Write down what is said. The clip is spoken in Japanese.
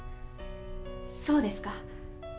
そうですか。